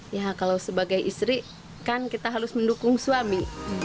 ya kalau sebagai istri kan kita harus mendukung suami